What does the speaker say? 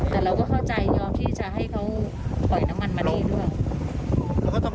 แต่เราก็เข้าใจยอมที่จะให้เขาปล่อยน้ำมันมาได้ด้วย